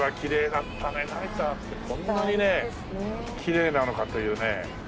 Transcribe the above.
ナイターってこんなにねきれいなのかというね。